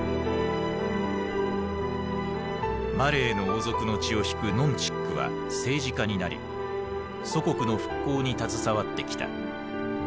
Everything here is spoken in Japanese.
マレーの王族の血を引くノン・チックは政治家になり祖国の復興に携わってきた。